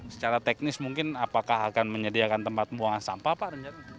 secara teknis mungkin apakah akan menyediakan tempat pembuangan sampah pak